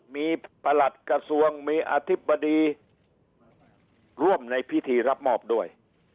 มีประหลัดกระทรวงมีอธิบดีร่วมในพิธีรับมอบด้วย